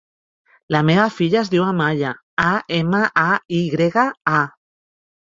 La meva filla es diu Amaya: a, ema, a, i grega, a.